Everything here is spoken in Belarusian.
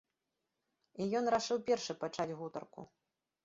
І ён рашыў першы пачаць гутарку.